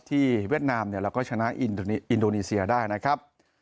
เวียดนามเราก็ชนะอินโดนีเซียได้นะครับ